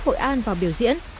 hội an vào biểu diễn